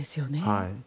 はい。